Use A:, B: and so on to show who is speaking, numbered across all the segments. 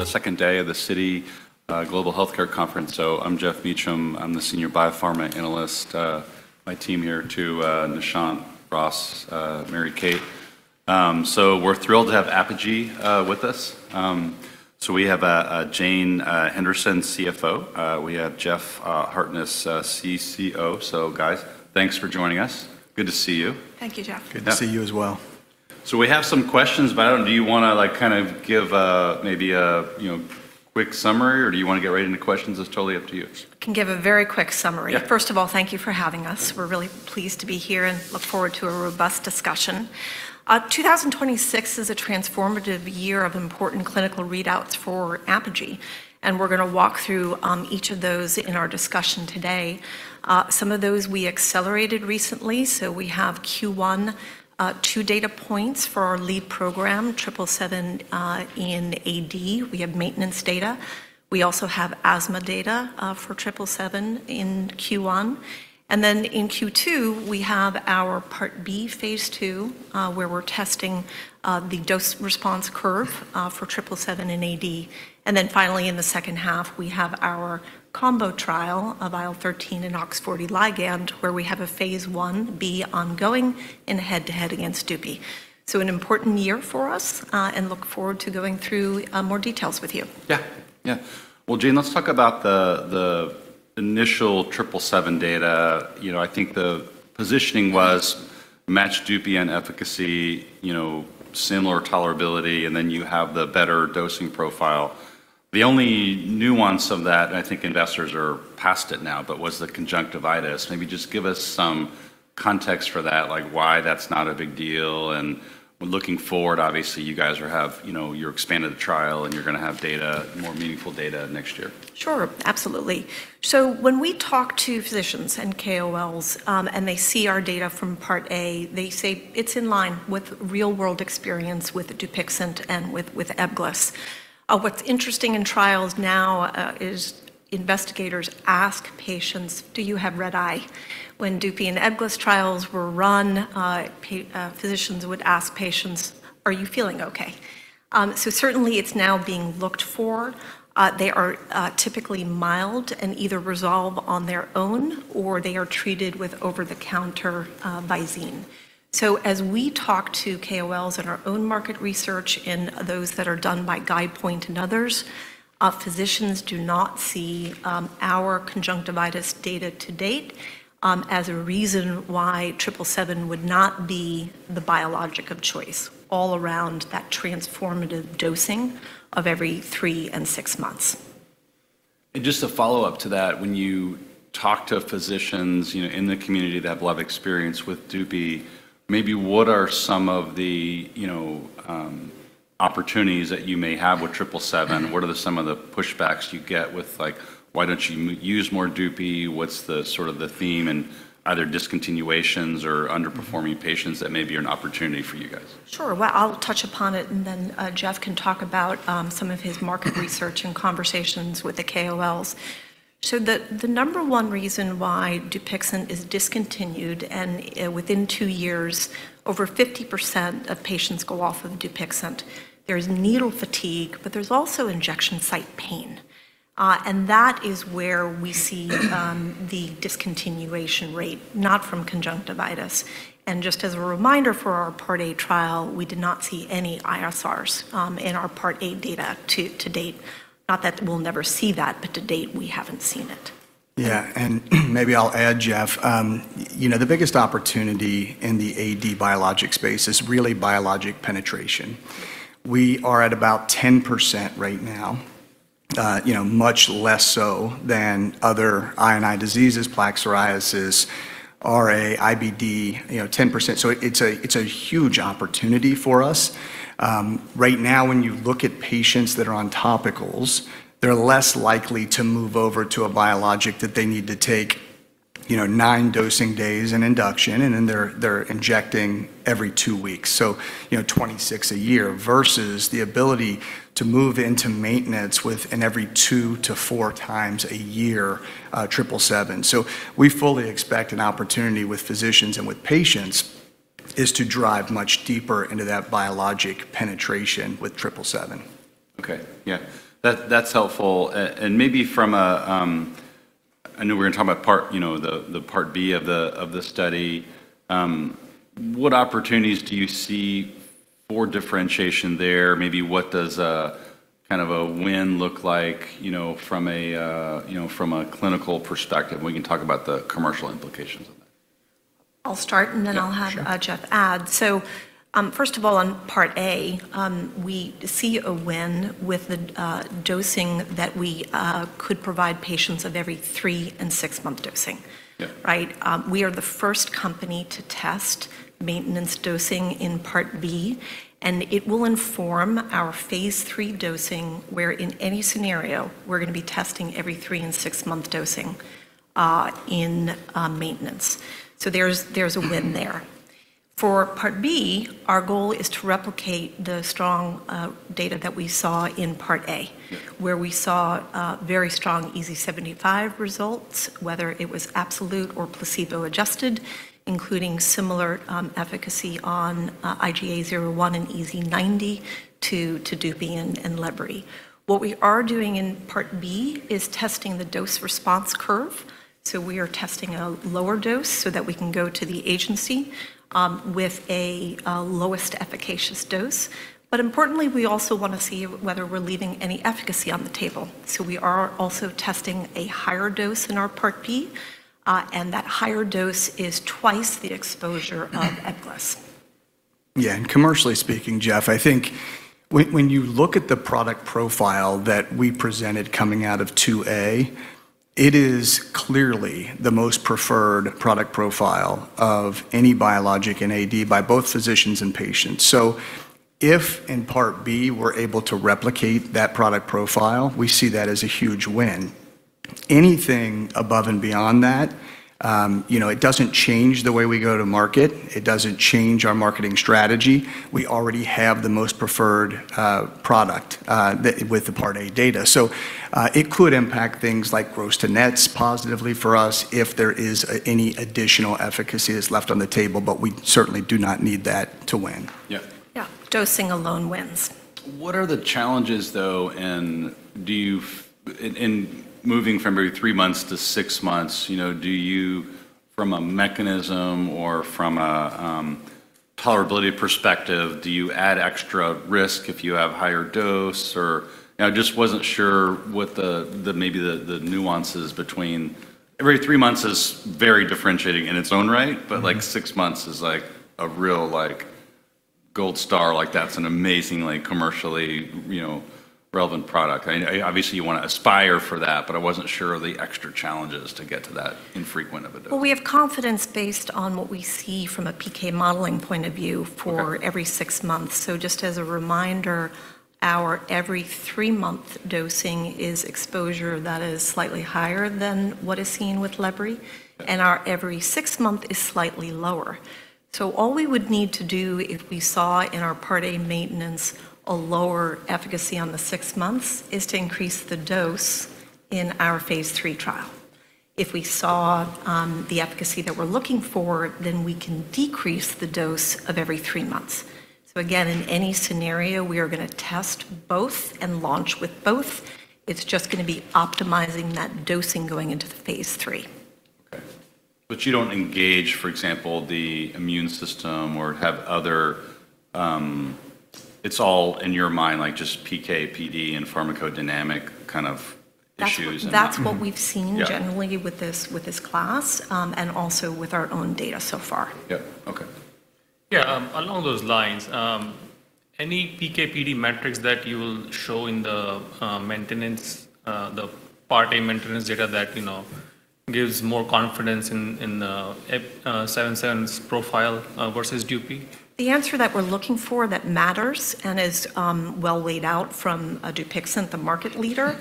A: It's the second day of the Citi Global Healthcare Conference. I'm Geoff Meacham. I'm the Senior Biopharma Analyst. My team here too, Nishant, Ross, Mary Kate. We're thrilled to have Apogee with us. We have Jane Henderson, CFO. We have Geoff Hartness, CCO. Guys, thanks for joining us. Good to see you.
B: Thank you, Geoff.
C: Good to see you as well.
A: We have some questions, but I don't know if you want to kind of give maybe a quick summary, or do you want to get right into questions? It's totally up to you.
B: I can give a very quick summary. First of all, thank you for having us. We're really pleased to be here and look forward to a robust discussion. 2026 is a transformative year of important clinical readouts for Apogee, and we're going to walk through each of those in our discussion today. Some of those we accelerated recently. So we have Q1 two data points for our lead program, 777 in AD. We have maintenance data. We also have asthma data for 777 in Q1. And then in Q2, we have our Part B, Phase II, where we're testing the dose response curve for 777 in AD. And then finally, in the second half, we have our combo trial of IL-13 and OX40 ligand, where we have Phase 1b ongoing and head-to-head against DUPI. An important year for us, and look forward to going through more details with you.
A: Yeah, yeah. Well, Jane, let's talk about the initial 777 data. I think the positioning was match Dupixent and efficacy, similar tolerability, and then you have the better dosing profile. The only nuance of that, I think investors are past it now, but was the conjunctivitis. Maybe just give us some context for that, like why that's not a big deal. And looking forward, obviously, you guys, you're expanding the trial, and you're going to have data, more meaningful data next year.
B: Sure, absolutely. So when we talk to physicians and KOLs, and they see our data from Part A, they say it's in line with real-world experience with Dupixent and with Ebglyss. What's interesting in trials now is investigators ask patients, "Do you have red eye?" When Dupi and Ebglyss trials were run, physicians would ask patients, "Are you feeling okay?" So certainly, it's now being looked for. They are typically mild and either resolve on their own, or they are treated with over-the-counter Visine. So as we talk to KOLs in our own market research and those that are done by Guidepoint and others, physicians do not see our conjunctivitis data to date as a reason why 777 would not be the biologic of choice all around that transformative dosing of every three and six months.
A: Just a follow-up to that, when you talk to physicians in the community that have a lot of experience with DUPI, maybe what are some of the opportunities that you may have with 777? What are some of the pushbacks you get with, like, "Why don't you use more DUPI?" What's the sort of the theme in either discontinuations or underperforming patients that maybe are an opportunity for you guys?
B: Sure. Well, I'll touch upon it, and then Geoff can talk about some of his market research and conversations with the KOLs. So the number one reason why Dupixent is discontinued, and within two years, over 50% of patients go off of Dupixent, there's needle fatigue, but there's also injection site pain. And that is where we see the discontinuation rate, not from conjunctivitis. And just as a reminder for our Part A trial, we did not see any ISRs in our Part A data to date. Not that we'll never see that, but to date, we haven't seen it.
C: Yeah, and maybe I'll add, Geoff, the biggest opportunity in the AD biologic space is really biologic penetration. We are at about 10% right now, much less so than other INI diseases, plaque psoriasis, RA, IBD, 10%. So it's a huge opportunity for us. Right now, when you look at patients that are on topicals, they're less likely to move over to a biologic that they need to take nine dosing days in induction, and then they're injecting every two weeks. So 26 a year versus the ability to move into maintenance with an every two to four times a year 777. So we fully expect an opportunity with physicians and with patients is to drive much deeper into that biologic penetration with 777.
A: Okay, yeah. That's helpful. And maybe from a, I know we're going to talk about the Part B of the study. What opportunities do you see for differentiation there? Maybe what does kind of a win look like from a clinical perspective? We can talk about the commercial implications of that.
B: I'll start, and then I'll have Geoff add. So first of all, on Part A, we see a win with the dosing that we could provide patients of every three- and six-month dosing. We are the first company to test maintenance dosing in Part B, and it will inform our Phase III dosing, where in any scenario, we're going to be testing every three- and six-month dosing in maintenance. So there's a win there. For Part B, our goal is to replicate the strong data that we saw in Part A, where we saw very strong EASI-75 results, whether it was absolute or placebo-adjusted, including similar efficacy on IGA 0/1 and EASI-90 to DUPI and Lebbery. What we are doing in Part B is testing the dose-response curve. So we are testing a lower dose so that we can go to the agency with a lowest efficacious dose. But importantly, we also want to see whether we're leaving any efficacy on the table. So we are also testing a higher dose in our Part B, and that higher dose is twice the exposure of Ebglyss.
C: Yeah, and commercially speaking, Geoff, I think when you look at the product profile that we presented coming out of 2A, it is clearly the most preferred product profile of any biologic in AD by both physicians and patients. So if in Part B we're able to replicate that product profile, we see that as a huge win. Anything above and beyond that, it doesn't change the way we go to market. It doesn't change our marketing strategy. We already have the most preferred product with the Part A data. So it could impact things like gross to nets positively for us if there is any additional efficacy that's left on the table, but we certainly do not need that to win.
B: Yeah. Dosing alone wins.
A: What are the challenges, though, in moving from every three months to six months? From a mechanism or from a tolerability perspective, do you add extra risk if you have higher dose? I just wasn't sure what maybe the nuances between every three months is very differentiating in its own right, but six months is like a real gold star. That's an amazingly commercially relevant product. Obviously, you want to aspire for that, but I wasn't sure of the extra challenges to get to that infrequent of a dose.
B: We have confidence based on what we see from a PK modeling point of view for every six months. So just as a reminder, our every three-month dosing is exposure that is slightly higher than what is seen with Ebglyss, and our every six month is slightly lower. So all we would need to do if we saw in our Part A maintenance a lower efficacy on the six months is to increase the dose in our Phase III trial. If we saw the efficacy that we're looking for, then we can decrease the dose of every three months. So again, in any scenario, we are going to test both and launch with both. It's just going to be optimizing that dosing going into the Phase III.
A: Okay. But you don't engage, for example, the immune system or have other. It's all in your mind, like just PK, PD, and pharmacodynamic kind of issues.
B: That's what we've seen generally with this class and also with our own data so far.
A: Yep. Okay.
D: Yeah, along those lines, any PK/PD metrics that you will show in the maintenance, the Part A maintenance data that gives more confidence in the 777's profile versus DUPI?
B: The answer that we're looking for that matters and is well laid out from Dupixent, the market leader,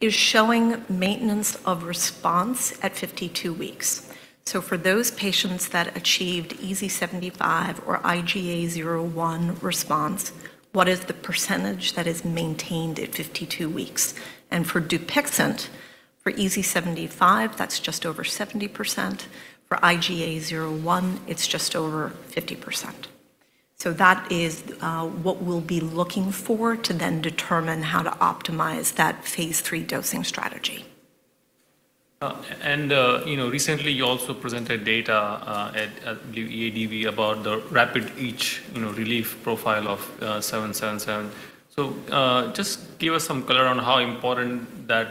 B: is showing maintenance of response at 52 weeks. So for those patients that achieved EASI-75 or IGA 0/1 response, what is the percentage that is maintained at 52 weeks? And for Dupixent, for EASI-75, that's just over 70%. For IGA 0/1, it's just over 50%. So that is what we'll be looking for to then determine how to optimize that Phase III dosing strategy.
D: Recently, you also presented data at EADV about the rapid relief profile of 777. Just give us some color on how important that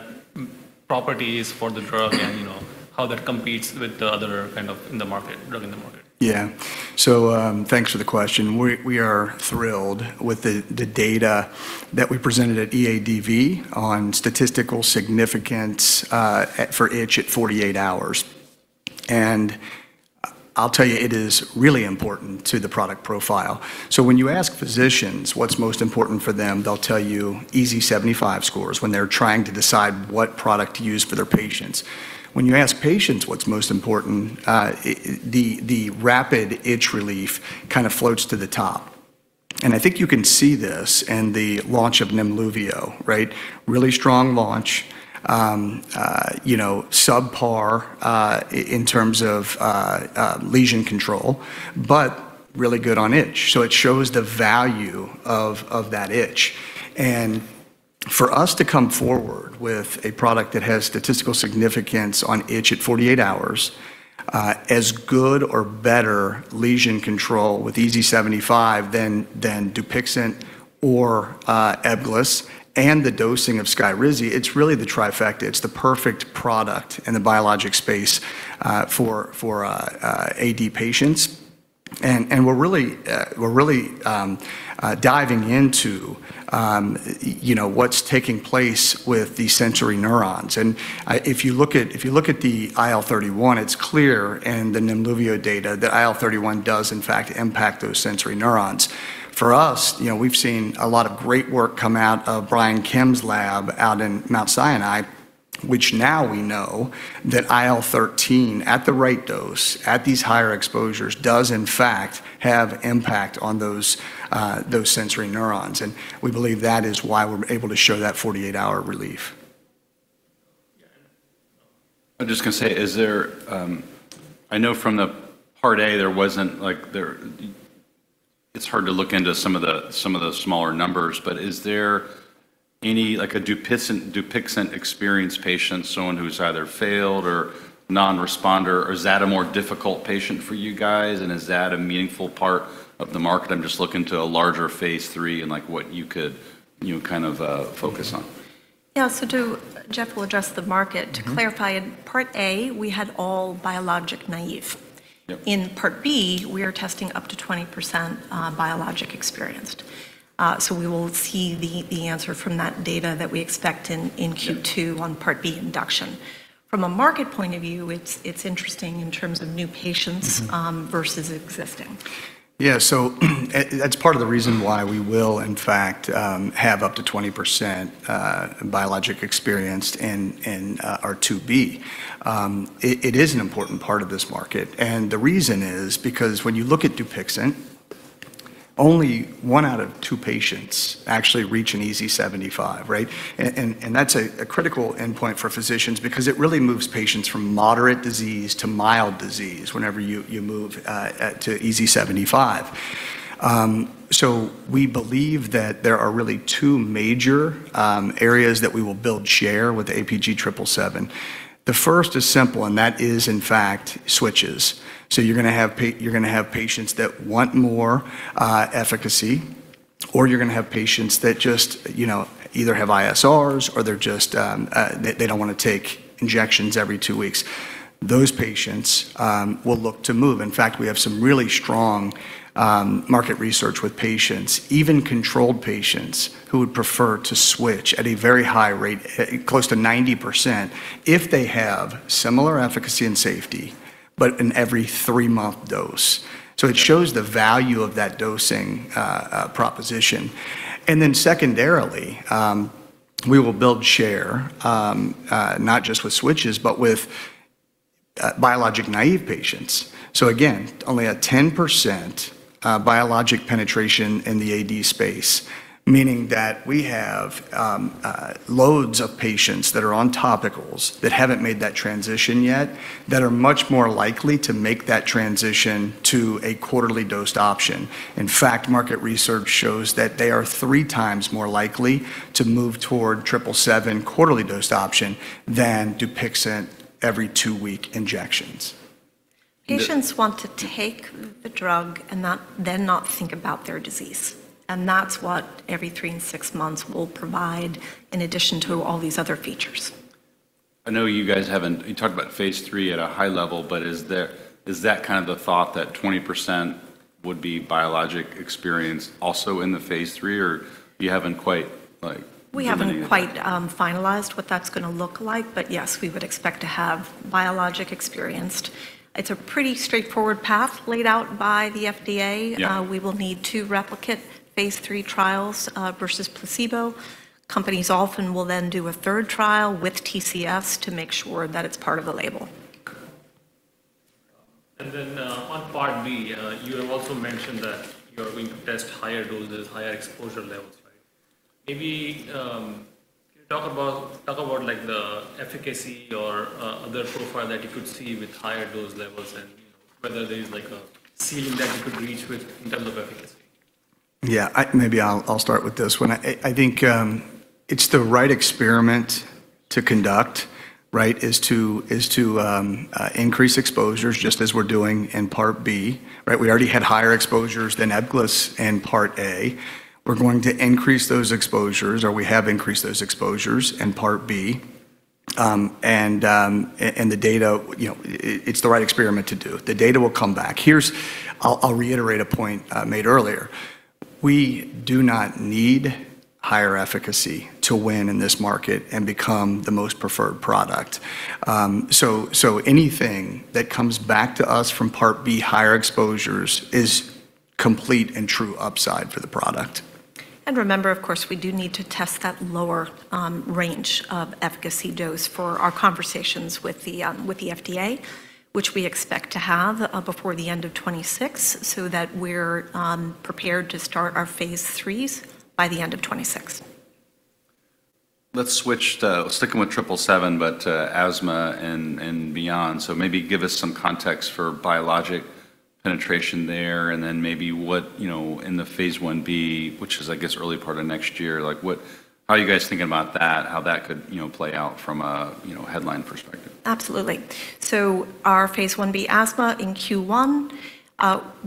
D: property is for the drug and how that competes with the other kind of drug in the market.
C: Yeah. So thanks for the question. We are thrilled with the data that we presented at EADV on statistical significance for itch at 48 hours. And I'll tell you, it is really important to the product profile. So when you ask physicians what's most important for them, they'll tell you EZ-75 scores when they're trying to decide what product to use for their patients. When you ask patients what's most important, the rapid itch relief kind of floats to the top. And I think you can see this in the launch of Nemluvio, right? Really strong launch, subpar in terms of lesion control, but really good on itch. So it shows the value of that itch. For us to come forward with a product that has statistical significance on itch at 48 hours, as good or better lesion control with EASI-75 than Dupixent or Ebglyss and the dosing of Skyrizi, it's really the trifecta. It's the perfect product in the biologic space for AD patients. And we're really diving into what's taking place with the sensory neurons. And if you look at the IL-31, it's clear in the Nemluvio data that IL-31 does, in fact, impact those sensory neurons. For us, we've seen a lot of great work come out of Brian Kim's lab out in Mount Sinai, which now we know that IL-13 at the right dose, at these higher exposures, does, in fact, have impact on those sensory neurons. And we believe that is why we're able to show that 48-hour relief.
A: I'm just going to say, is there? I know from the Part A, there wasn't. It's hard to look into some of the smaller numbers, but is there any like a Dupixent experienced patient, someone who's either failed or non-responder, or is that a more difficult patient for you guys, and is that a meaningful part of the market? I'm just looking to a larger Phase III and what you could kind of focus on.
B: Yeah, so Geoff will address the market. To clarify, in Part A, we had all biologic naive. In Part B, we are testing up to 20% biologic experienced. So we will see the answer from that data that we expect in Q2 on Part B induction. From a market point of view, it's interesting in terms of new patients versus existing.
C: Yeah, so that's part of the reason why we will, in fact, have up to 20% biologic experienced in our 2B. It is an important part of this market. And the reason is because when you look at Dupixent, only one out of two patients actually reach an EASI-75, right? And that's a critical endpoint for physicians because it really moves patients from moderate disease to mild disease whenever you move to EASI-75. So we believe that there are really two major areas that we will build share with APG-777. The first is simple, and that is, in fact, switches. So you're going to have patients that want more efficacy, or you're going to have patients that just either have ISRs or they don't want to take injections every two weeks. Those patients will look to move. In fact, we have some really strong market research with patients, even controlled patients, who would prefer to switch at a very high rate, close to 90%, if they have similar efficacy and safety, but in every three-month dose. So it shows the value of that dosing proposition. And then secondarily, we will build share, not just with switches, but with biologic naive patients. So again, only a 10% biologic penetration in the AD space, meaning that we have loads of patients that are on topicals that haven't made that transition yet, that are much more likely to make that transition to a quarterly dosed option. In fact, market research shows that they are three times more likely to move toward 777 quarterly dosed option than Dupixent every two-week injections.
B: Patients want to take the drug and then not think about their disease. And that's what every three and six months will provide in addition to all these other features.
A: I know you guys haven't you talked about Phase III at a high level, but is that kind of the thought that 20% would be biologic experienced also in the Phase III, or you haven't quite?
B: We haven't quite finalized what that's going to look like, but yes, we would expect to have biologic experienced. It's a pretty straightforward path laid out by the FDA. We will need to replicate Phase III trials versus placebo. Companies often will then do a third trial with TCS to make sure that it's part of the label.
D: And then on Part B, you have also mentioned that you are going to test higher doses, higher exposure levels, right? Maybe talk about the efficacy or other profile that you could see with higher dose levels and whether there is a ceiling that you could reach within terms of efficacy.
C: Yeah, maybe I'll start with this one. I think it's the right experiment to conduct, right, is to increase exposures just as we're doing in Part B. We already had higher exposures than Ebglyss in Part A. We're going to increase those exposures, or we have increased those exposures in Part B. And the data, it's the right experiment to do. The data will come back. I'll reiterate a point made earlier. We do not need higher efficacy to win in this market and become the most preferred product. So anything that comes back to us from Part B, higher exposures, is complete and true upside for the product.
B: Remember, of course, we do need to test that lower range of efficacy dose for our conversations with the FDA, which we expect to have before the end of 2026 so that we're prepared to start our Phase IIIs by the end of 2026.
A: Let's stick with 777, but asthma and beyond. So maybe give us some context for biologic penetration there, and then maybe in the Phase 1b, which is, I guess, early part of next year, how are you guys thinking about that, how that could play out from a headline perspective?
B: Absolutely. So Phase 1b asthma in Q1,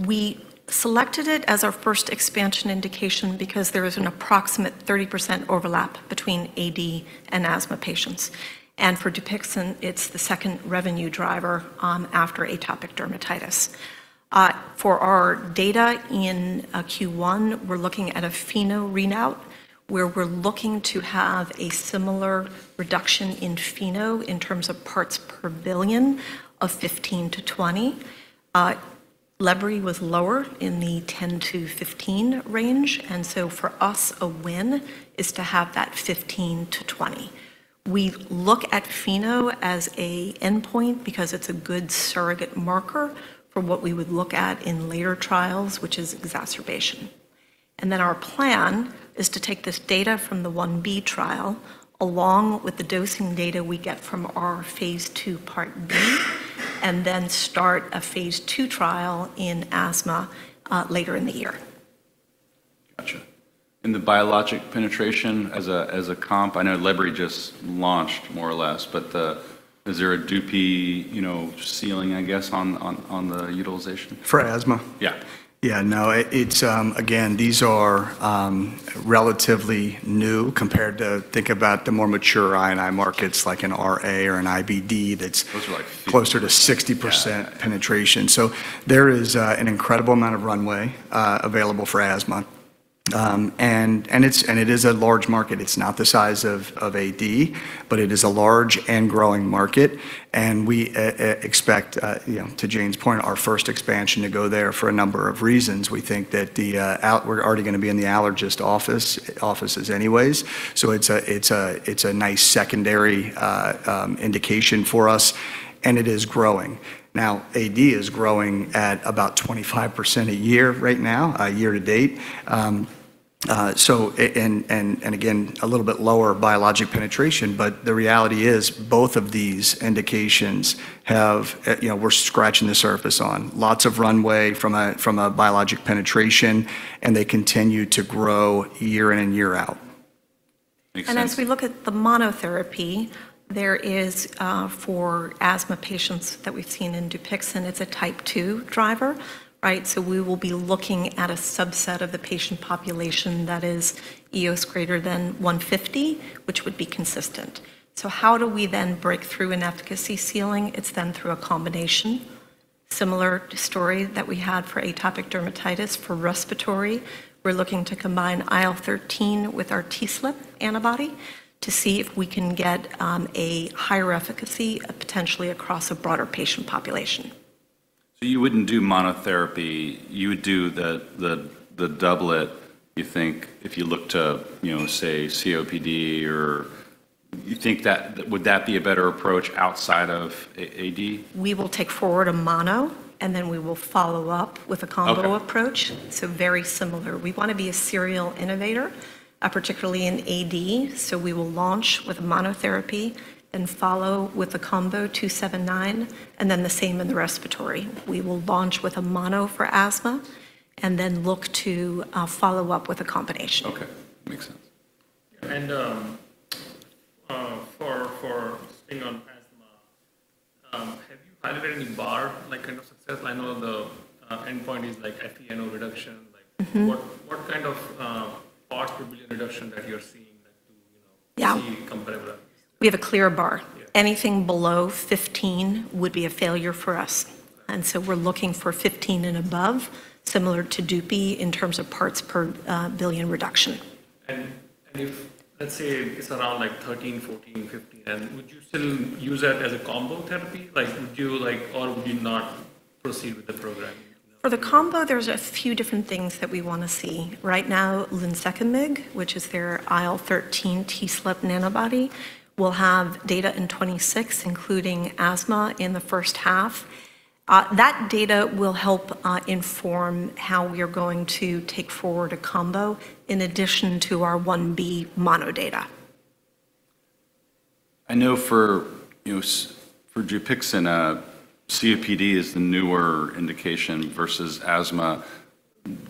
B: we selected it as our first expansion indication because there was an approximate 30% overlap between AD and asthma patients. And for Dupixent, it's the second revenue driver after atopic dermatitis. For our data in Q1, we're looking at a FeNO readout where we're looking to have a similar reduction in FeNO in terms of parts per billion of 15-20. Ebglyss was lower in the 10-15 range. And so for us, a win is to have that 15-20. We look at FeNO as an endpoint because it's a good surrogate marker for what we would look at in later trials, which is exacerbation. Then our plan is to take this data from the 1b trial along with the dosing data we get from our Phase II Part B and then start a Phase II trial in asthma later in the year.
A: Gotcha. And the biologic penetration as a comp, I know Ebglyss just launched more or less, but is there a DUPI ceiling, I guess, on the utilization?
C: For asthma?
A: Yeah.
C: Yeah, no, again, these are relatively new compared to, think about, the more mature INI markets like an RA or an IBD that's closer to 60% penetration. So there is an incredible amount of runway available for asthma. And it is a large market. It's not the size of AD, but it is a large and growing market. And we expect, to Jane's point, our first expansion to go there for a number of reasons. We think that we're already going to be in the allergist offices anyways. So it's a nice secondary indication for us. And it is growing. Now, AD is growing at about 25% a year right now, year to date. And again, a little bit lower biologic penetration, but the reality is both of these indications, we're scratching the surface on. Lots of runway from a biologic penetration, and they continue to grow year in and year out.
B: As we look at the monotherapy, there is for asthma patients that we've seen in Dupixent, it's a type 2 driver, right? So we will be looking at a subset of the patient population that is EOS greater than 150, which would be consistent. So how do we then break through an efficacy ceiling? It's then through a combination. Similar story that we had for atopic dermatitis. For respiratory, we're looking to combine IL-13 with our TSLP antibody to see if we can get a higher efficacy potentially across a broader patient population.
A: So you wouldn't do monotherapy. You would do the doublet, you think, if you look to, say, COPD, or you think that would be a better approach outside of AD?
B: We will take forward a mono, and then we will follow up with a combo approach, so very similar. We want to be a serial innovator, particularly in AD, so we will launch with monotherapy and follow with the combo 279, and then the same in the respiratory. We will launch with a mono for asthma and then look to follow up with a combination.
A: Okay, makes sense.
D: For staying on asthma, have you had any so far, like kind of success? I know the endpoint is like FeNO reduction. What kind of percent would be a reduction that you're seeing to be comparable?
B: We have a clear bar. Anything below 15 would be a failure for us. And so we're looking for 15 and above, similar to DUPI in terms of parts per billion reduction.
D: Let's say it's around like 13, 14, 15, and would you still use that as a combo therapy? Or would you not proceed with the program?
B: For the combo, there's a few different things that we want to see. Right now, lunsekimig, which is their IL-13 TSLP antibody, will have data in 2026, including asthma in the first half. That data will help inform how we are going to take forward a combo in addition our Phase 1b mono data.
A: I know for Dupixent, COPD is the newer indication versus asthma.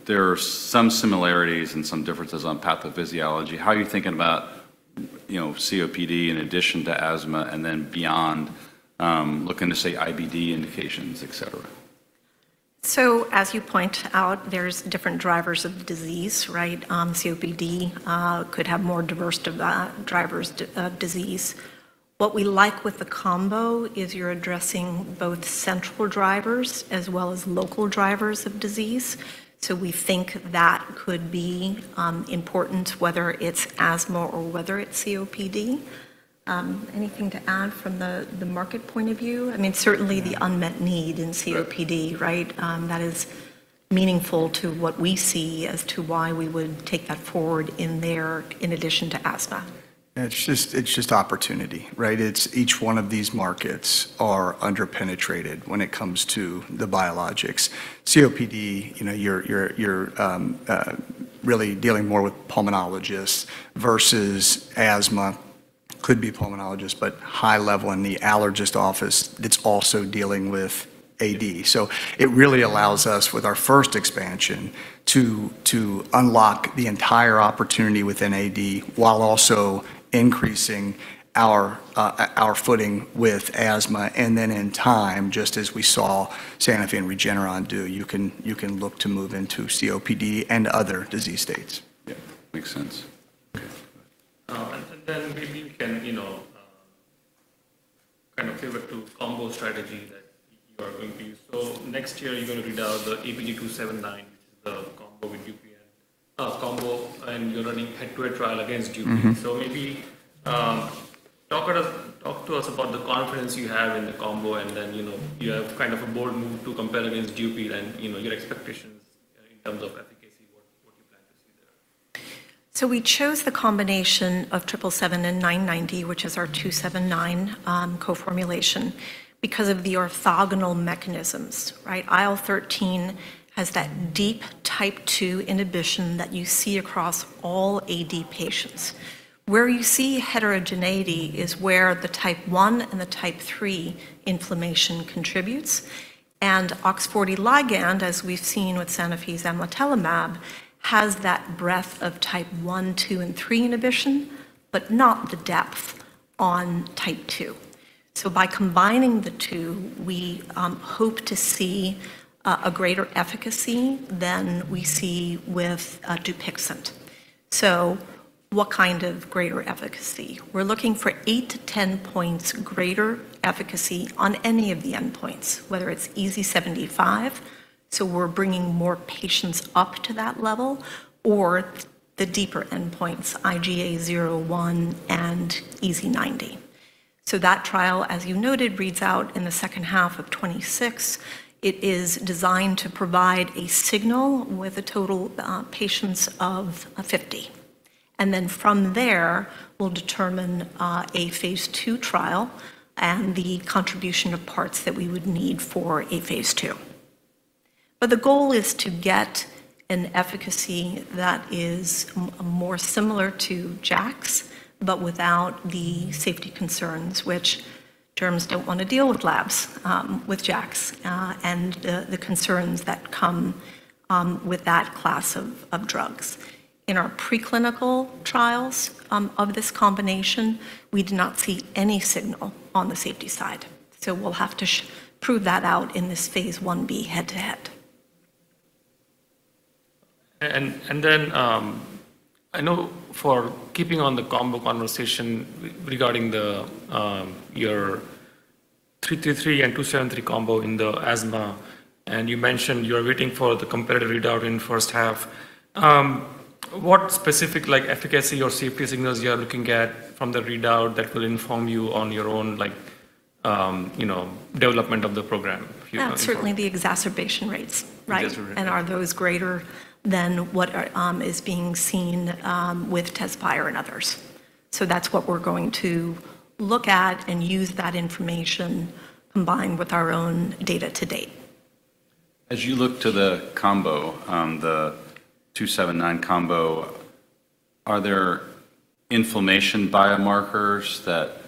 A: There are some similarities and some differences on pathophysiology. How are you thinking about COPD in addition to asthma and then beyond, looking to say IBD indications, etc.?
B: So as you point out, there's different drivers of disease, right? COPD could have more diverse drivers of disease. What we like with the combo is you're addressing both central drivers as well as local drivers of disease. So we think that could be important, whether it's asthma or whether it's COPD. Anything to add from the market point of view? I mean, certainly the unmet need in COPD, right? That is meaningful to what we see as to why we would take that forward in there in addition to asthma.
C: It's just opportunity, right? Each one of these markets are underpenetrated when it comes to the biologics. COPD, you're really dealing more with pulmonologists versus asthma, could be pulmonologists, but high level in the allergist office that's also dealing with AD. So it really allows us, with our first expansion, to unlock the entire opportunity within AD while also increasing our footing with asthma, and then in time, just as we saw Sanofi and Regeneron do, you can look to move into COPD and other disease states.
A: Yeah, makes sense.
D: And then maybe you can kind of pivot to combo strategy that you are going to use. So next year, you're going to read out the APG-777, which is the combo with DUPI, and you're running head-to-head trial against DUPI. So maybe talk to us about the confidence you have in the combo, and then you have kind of a bold move to compare against DUPI, then your expectations in terms of efficacy, what you plan to see there.
B: So we chose the combination of 777 and 990, which is our 279 co-formulation because of the orthogonal mechanisms, right? IL-13 has that deep type 2 inhibition that you see across all AD patients. Where you see heterogeneity is where the type 1 and the type 3 inflammation contributes. And OX40 ligand, as we've seen with Sanofi's amlitelimab, has that breadth of type 1, 2, and 3 inhibition, but not the depth on type 2. So by combining the two, we hope to see a greater efficacy than we see with Dupixent. So what kind of greater efficacy? We're looking for eight to 10 points greater efficacy on any of the endpoints, whether it's EASI-75, so we're bringing more patients up to that level, or the deeper endpoints, IGA 0/1 and EASI-90. So that trial, as you noted, reads out in the second half of 2026. It is designed to provide a signal with a total of 50 patients. And then from there, we'll determine a Phase II trial and the number of patients that we would need for a Phase II. But the goal is to get an efficacy that is more similar to JAKs, but without the safety concerns, which derms don't want to deal with, like with JAKs and the concerns that come with that class of drugs. In our preclinical trials of this combination, we did not see any signal on the safety side. So we'll have to prove that out in Phase 1b head-to-head.
D: I know for keeping on the combo conversation regarding your 333 and 273 combo in the asthma, and you mentioned you're waiting for the comparative readout in first half. What specific efficacy or safety signals you are looking at from the readout that will inform you on your own development of the program?
B: That's certainly the exacerbation rates, right? And are those greater than what is being seen with Tezspire and others? So that's what we're going to look at and use that information combined with our own data to date.
A: As you look to the combo, the 279 combo, are there inflammation biomarkers that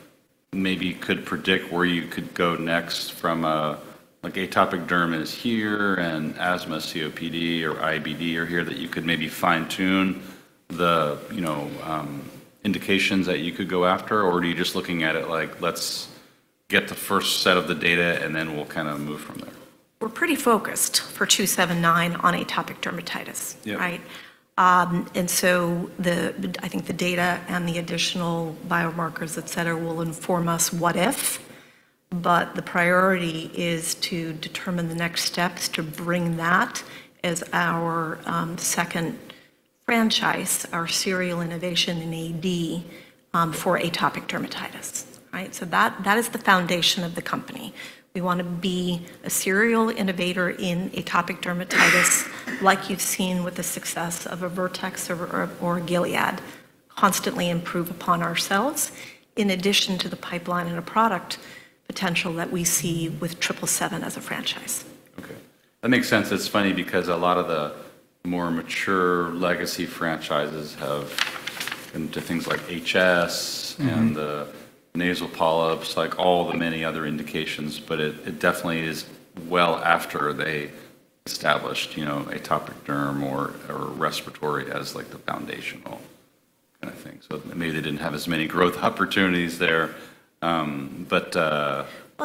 A: maybe could predict where you could go next from an atopic dermatitis here and asthma, COPD, or IBD here that you could maybe fine-tune the indications that you could go after? Or are you just looking at it like, let's get the first set of the data and then we'll kind of move from there?
B: We're pretty focused for APG-777 on atopic dermatitis, right? And so I think the data and the additional biomarkers, etc., will inform us what if, but the priority is to determine the next steps to bring that as our second franchise, our serial innovation in AD for atopic dermatitis, right? So that is the foundation of the company. We want to be a serial innovator in atopic dermatitis like you've seen with the success of a Vertex or a Gilead, constantly improve upon ourselves in addition to the pipeline and a product potential that we see with APG-777 as a franchise.
A: Okay. That makes sense. It's funny because a lot of the more mature legacy franchises have been to things like HS and the nasal polyps, like all the many other indications, but it definitely is well after they established atopic derm or respiratory as the foundational kind of thing. So maybe they didn't have as many growth opportunities there, but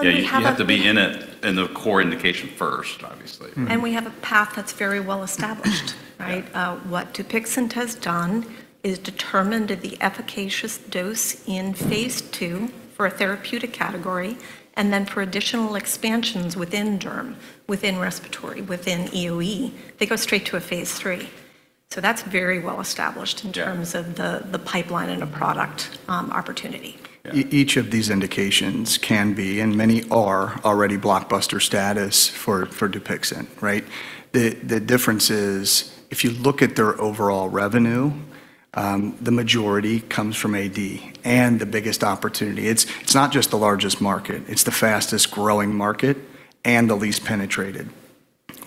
A: you have to be in it in the core indication first, obviously.
B: We have a path that's very well established, right? What Dupixent has done is determine the efficacious dose in Phase II for a therapeutic category and then for additional expansions within derm, within respiratory, within EOE. They go straight to a Phase III. That's very well established in terms of the pipeline and a product opportunity.
C: Each of these indications can be, and many are already blockbuster status for Dupixent, right? The difference is if you look at their overall revenue, the majority comes from AD and the biggest opportunity. It's not just the largest market. It's the fastest growing market and the least penetrated.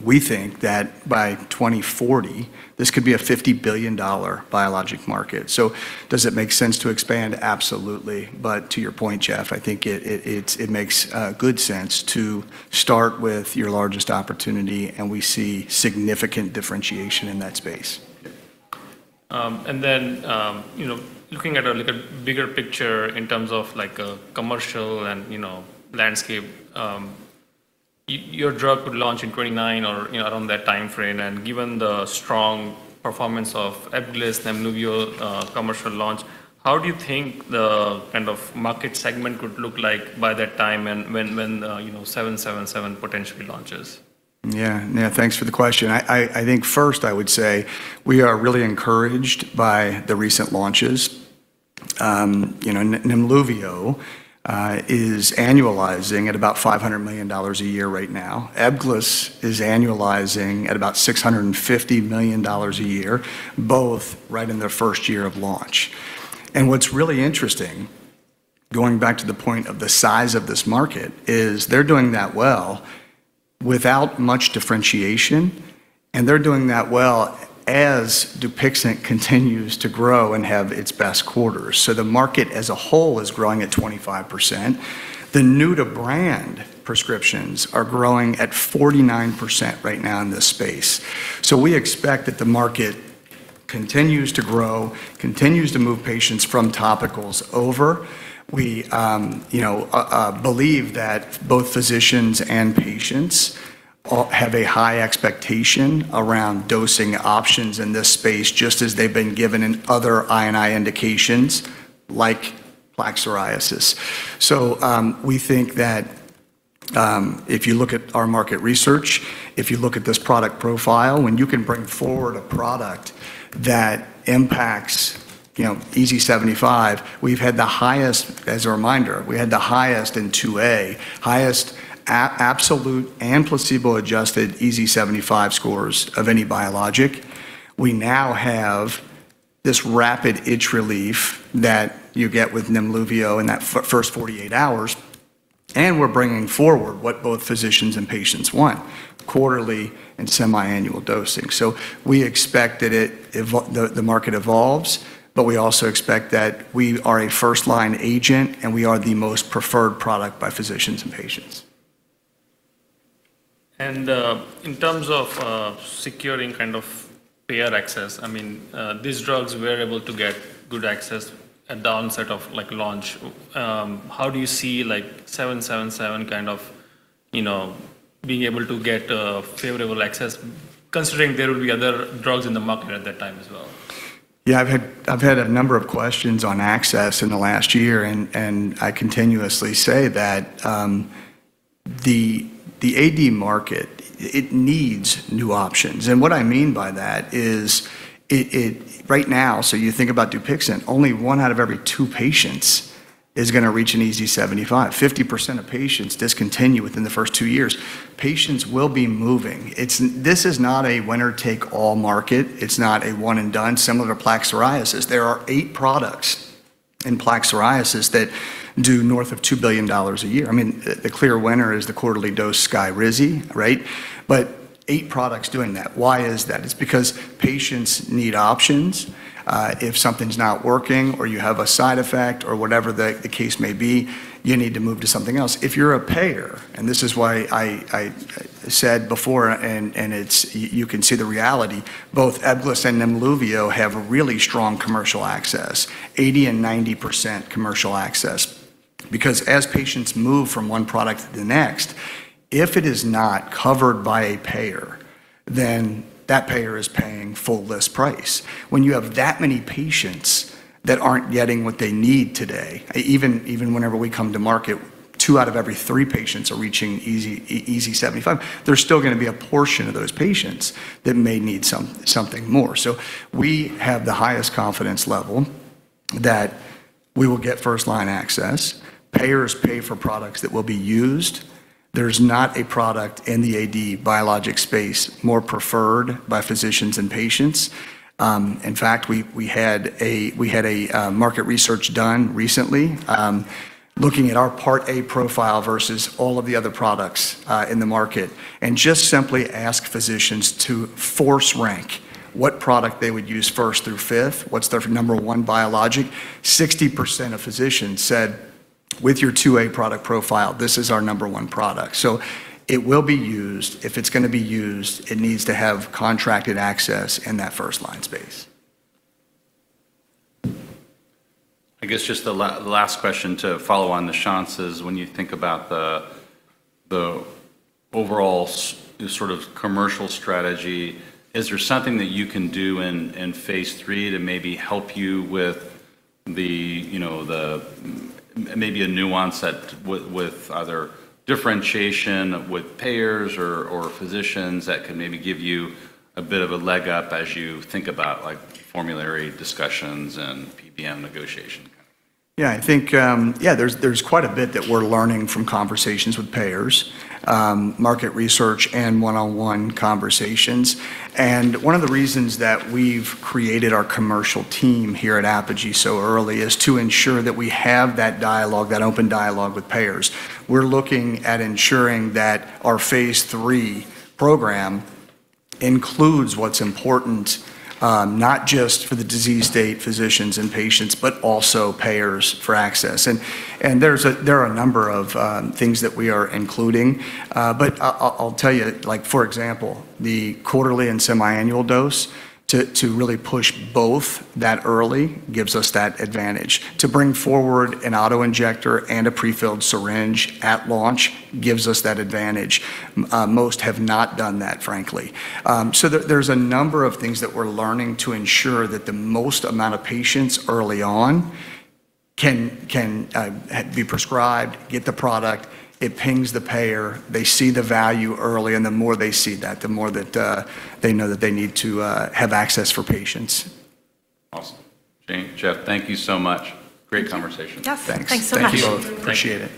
C: We think that by 2040, this could be a $50 billion biologic market. So does it make sense to expand? Absolutely. But to your point, Geoff, I think it makes good sense to start with your largest opportunity, and we see significant differentiation in that space.
D: Then looking at a bigger picture in terms of commercial and landscape, your drug could launch in 2029 or around that time frame. Given the strong performance of Ebglyss and Nemluvio commercial launch, how do you think the kind of market segment could look like by that time when 777 potentially launches?
C: Yeah, yeah. Thanks for the question. I think first I would say we are really encouraged by the recent launches. Nemluvio is annualizing at about $500 million a year right now. Ebglyss is annualizing at about $650 million a year, both right in their first year of launch. And what's really interesting, going back to the point of the size of this market, is they're doing that well without much differentiation, and they're doing that well as Dupixent continues to grow and have its best quarters. So the market as a whole is growing at 25%. The new-to-brand prescriptions are growing at 49% right now in this space. So we expect that the market continues to grow, continues to move patients from topicals over. We believe that both physicians and patients have a high expectation around dosing options in this space, just as they've been given in other IL-13 indications like plaque psoriasis. So we think that if you look at our market research, if you look at this product profile, when you can bring forward a product that impacts EASI-75, we've had the highest, as a reminder, we had the highest in Phase IIa, highest absolute and placebo-adjusted EASI-75 scores of any biologic. We now have this rapid itch relief that you get with Nemluvio in that first 48 hours, and we're bringing forward what both physicians and patients want, quarterly and semi-annual dosing. So we expect that the market evolves, but we also expect that we are a first-line agent and we are the most preferred product by physicians and patients.
D: In terms of securing kind of payer access, I mean, these drugs were able to get good access at the onset of launch. How do you see 777 kind of being able to get favorable access, considering there will be other drugs in the market at that time as well?
C: Yeah, I've had a number of questions on access in the last year, and I continuously say that the AD market, it needs new options. And what I mean by that is right now, so you think about Dupixent, only one out of every two patients is going to reach an EASI-75. 50% of patients discontinue within the first two years. Patients will be moving. This is not a winner-take-all market. It's not a one-and-done, similar to plaque psoriasis. There are eight products in plaque psoriasis that do north of $2 billion a year. I mean, the clear winner is the quarterly dose Skyrizi, right? But eight products doing that. Why is that? It's because patients need options. If something's not working or you have a side effect or whatever the case may be, you need to move to something else. If you're a payer, and this is why I said before, and you can see the reality, both Ebglyss and Nemluvio have really strong commercial access, 80% and 90% commercial access. Because as patients move from one product to the next, if it is not covered by a payer, then that payer is paying full list price. When you have that many patients that aren't getting what they need today, even whenever we come to market, two out of every three patients are reaching EASI-75, there's still going to be a portion of those patients that may need something more. So we have the highest confidence level that we will get first-line access. Payers pay for products that will be used. There's not a product in the AD biologic space more preferred by physicians and patients. In fact, we had a market research done recently looking at our Part A profile versus all of the other products in the market and just simply asked physicians to force rank what product they would use first through fifth, what's their number one biologic. 60% of physicians said, "With your 2A product profile, this is our number one product." So it will be used. If it's going to be used, it needs to have contracted access in that first-line space.
A: I guess just the last question to follow on the chances when you think about the overall sort of commercial strategy, is there something that you can do in Phase III to maybe help you with the maybe a nuance with either differentiation with payers or physicians that can maybe give you a bit of a leg up as you think about formulary discussions and PBM negotiation?
C: Yeah, I think, yeah, there's quite a bit that we're learning from conversations with payers, market research, and one-on-one conversations. And one of the reasons that we've created our commercial team here at Apogee so early is to ensure that we have that dialogue, that open dialogue with payers. We're looking at ensuring that our Phase III program includes what's important, not just for the disease state physicians and patients, but also payers for access. And there are a number of things that we are including. But I'll tell you, for example, the quarterly and semi-annual dose to really push both that early gives us that advantage. To bring forward an auto injector and a prefilled syringe at launch gives us that advantage. Most have not done that, frankly. So there's a number of things that we're learning to ensure that the most amount of patients early on can be prescribed, get the product. It pings the payer. They see the value early, and the more they see that, the more that they know that they need to have access for patients.
A: Awesome. Jane, Geoff, thank you so much. Great conversation.
B: Yes. Thanks so much.
C: Appreciate it.